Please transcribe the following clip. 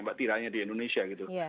maka tiranya di indonesia gitu